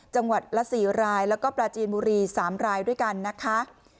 จังหวัดละ๔รายแล้วก็ปลาจีนบุรี๓รายด้วยกันนะคะ